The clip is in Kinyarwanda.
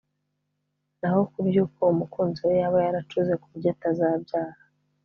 naho ku by’uko umukunzi we yaba yaracuze kuburyo atazabyara